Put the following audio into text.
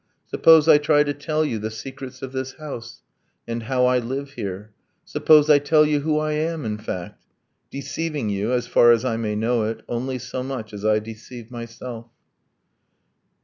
... Suppose I try to tell you The secrets of this house, and how I live here; Suppose I tell you who I am, in fact. ... Deceiving you as far as I may know it Only so much as I deceive myself.